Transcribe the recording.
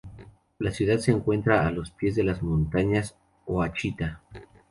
La ciudad se encuentra a los pies de las montañas Ouachita.